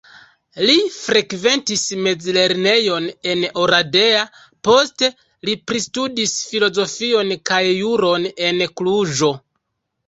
Li frekventis mezlernejon en Oradea, poste li pristudis filozofion kaj juron en Kluĵo.